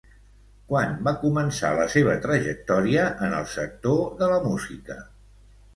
Quan va començar la seva trajectòria en el sector de la música?